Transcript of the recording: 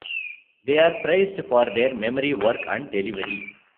They are praised for their memory work and delivery.